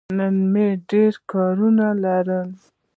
نن مې ډېر کارونه لرل.